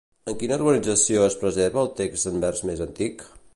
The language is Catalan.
En quina organització es preserva el text en vers més antic?